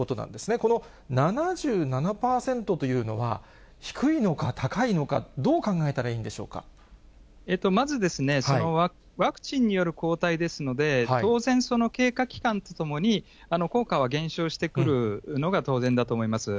この７７％というのは低いのか、高いのか、どう考えたらいいんでまず、ワクチンによる抗体ですので、当然、経過期間とともに、効果は減少してくるのが当然だと思います。